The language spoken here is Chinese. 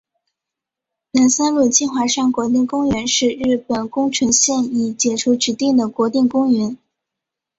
南三陆金华山国定公园是日本宫城县已解除指定的国定公园。